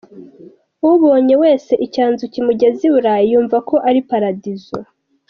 Ubonye wese icyanzu kimugeza i Burayi yumva ko ari Paradizo !